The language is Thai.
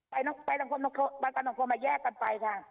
ไปประกันสังคมแยกกันไปค่ะ